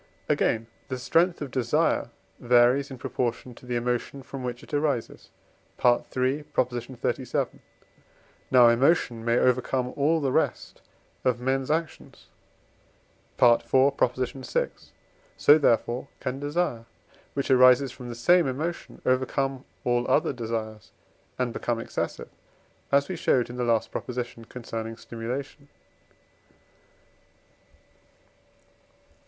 Again, the strength of desire varies in proportion to the emotion from which it arises (III. xxxvii.). Now emotion may overcome all the rest of men's actions (IV. vi.); so, therefore, can desire, which arises from the same emotion, overcome all other desires, and become excessive, as we showed in the last proposition concerning stimulation.